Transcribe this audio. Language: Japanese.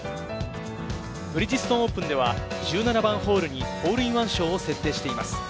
ブリヂストンオープンでは１７番ホールにホールインワン賞を設定しています。